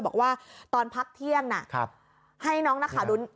บอกว่าตอนพักเที่ยงให้น้องนักข่าวรุ้น